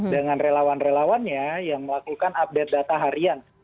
dengan relawan relawannya yang melakukan update data harian